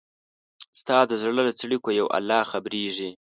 ستا د زړه له څړیکو یو الله خبریږي